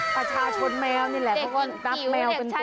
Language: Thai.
ประชาชนแมวนี่แหละเพราะว่ารักแมวเป็นตัวตัว